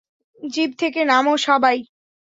Zip থেকে নামো সবাই।